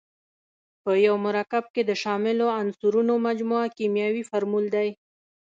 په یو مرکب کې د شاملو عنصرونو مجموعه کیمیاوي فورمول دی.